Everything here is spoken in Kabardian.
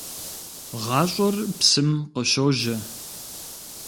ГъащӀэр псым къыщожьэ.